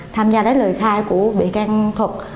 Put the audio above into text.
tham gia lấy lời khai của bị can thuật